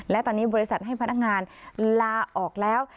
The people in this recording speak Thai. และตอนนี้บริษัทให้พนักงานลาออกแล้ว